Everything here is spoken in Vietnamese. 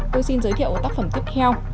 tôi xin giới thiệu tác phẩm tiếp theo